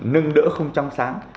nâng đỡ không trăm sáng